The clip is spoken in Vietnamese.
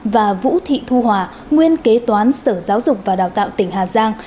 và vũ thị thu hòa nguyên kế toán sở giáo dục và đào tạo tỉnh hà giang